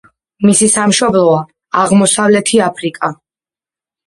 მისი სამშობლოა აღმოსავლეთი აფრიკა.